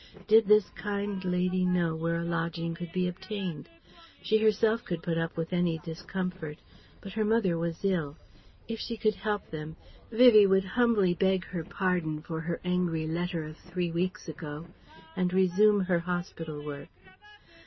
Did this kind lady know where a lodging could be obtained? She herself could put up with any discomfort, but her mother was ill. If she could help them, Vivie would humbly beg her pardon for her angry letter of three weeks ago and resume her hospital work.